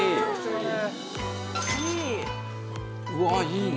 うわあいいね。